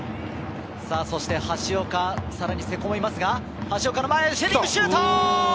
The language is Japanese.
さぁ、そして橋岡、さらに瀬古もいますが、橋岡の前、ヘディングシュート！